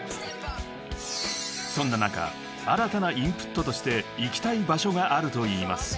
［そんな中新たなインプットとして行きたい場所があるといいます］